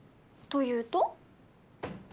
というと？